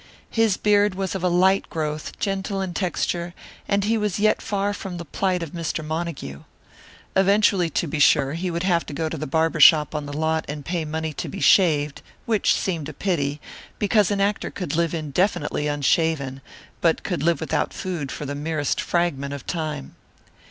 His beard was of a light growth, gentle in texture, and he was yet far from the plight of Mr. Montague. Eventually, to be sure, he would have to go to the barber shop on the lot and pay money to be shaved, which seemed a pity, because an actor could live indefinitely unshaven but could live without food for the merest fragment of time.